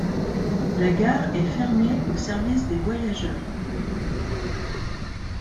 La gare est fermée au service des voyageurs.